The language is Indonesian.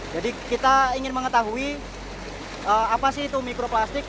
jadi kita ingin mengetahui apa sih itu mikroplastik